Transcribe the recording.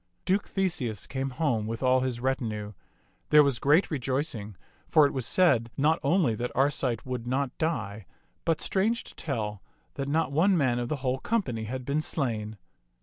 Duke Theseus came home with all his retinue. There was great rejoicing, for it was said not only that Arcite would not die, but, strange to tell, that not one man of the whole company had been slain.